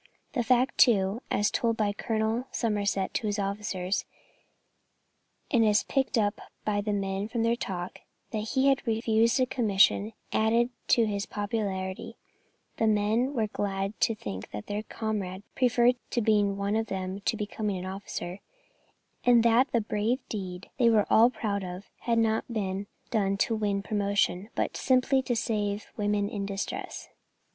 The fact, too, as told by Colonel Somerset to his officers, and as picked up by the men from their talk, that he had refused a commission, added to his popularity; the men were glad to think that their comrade preferred being one of them to becoming an officer, and that the brave deed they were all proud of had not been done to win promotion, but simply to save women in distress.